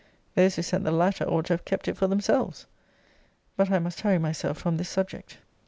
Those who sent the latter ought to have kept it for themselves But I must hurry myself from this subject.